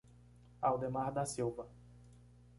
Aldemar da Silva